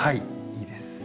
いいです。